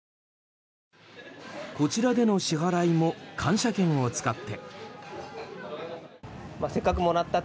こちらでの支払いも感謝券を使って。